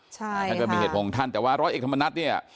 ท่านก็มีเหตุของท่านแต่ว่าร้อยเอกธรรมนัฐเนี่ย